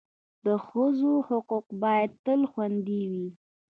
د ښځو حقوق باید تل خوندي وي.